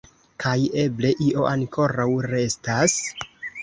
Kaj eble io ankoraŭ restas?